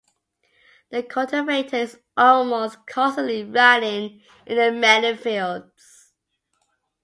The cultivator is almost constantly running in the melon fields.